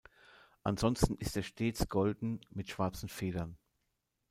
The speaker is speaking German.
Ansonsten ist er stets golden mit schwarzen Federn.